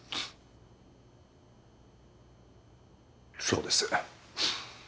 そうです。